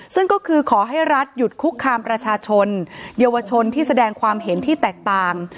ซึ่งก็คือขอให้รัฐหยุดคุกคามประชาชนเยาวชนที่แสดงความเห็นที่แตกต่าง